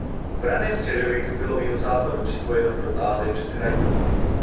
V raném středověku bylo z jihozápadu připojeno protáhlé předhradí.